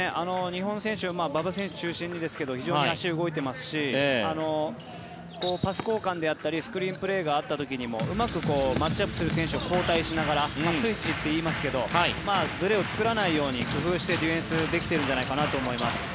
日本の選手馬場選手を中心にですが非常に足が動いていますしパス交換であったりスクリーンプレーがあった時もうまくマッチアップする選手を交代しながらスイッチといいますがずれを作らないように工夫してディフェンスできているんじゃないかなと思います。